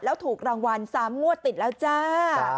แล้วถูกรางวัล๓งวดติดแล้วจ้า